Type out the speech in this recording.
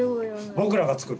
僕らが作る。